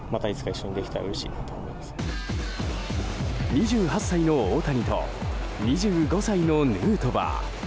２８歳の大谷と２５歳のヌートバー。